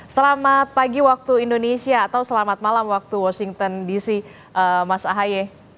selamat pagi waktu indonesia atau selamat malam waktu washington dc mas ahaye